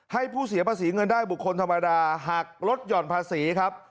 ให้ผู้เสียภาษีเงินได้บุคคลธรรมดาหักลดหย่อนภาษีครับ